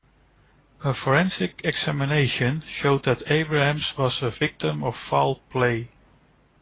A forensic examination showed that Abrahams was a victim of foul play.